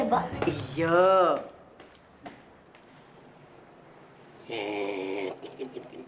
makan dulu ya pak